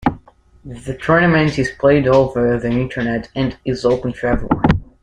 The tournament is played over the Internet and is open to everyone.